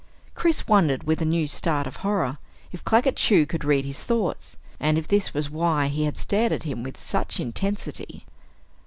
Chris wondered, with a new start of horror, if Claggett Chew could read his thoughts, and if this was why he had stared at him with such intensity.